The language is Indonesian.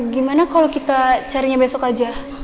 gimana kalau kita carinya besok aja